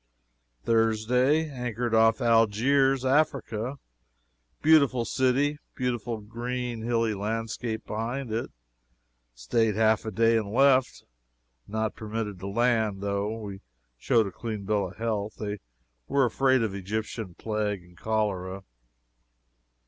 "Thursday Anchored off Algiers, Africa. Beautiful city, beautiful green hilly landscape behind it. Staid half a day and left. Not permitted to land, though we showed a clean bill of health. They were afraid of Egyptian plague and cholera.